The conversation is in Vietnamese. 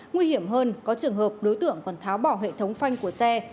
nguy hiểm hơn có trường hợp đối tượng còn tháo bỏ hệ thống phanh của xe